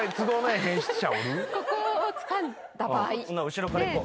後ろからいこう。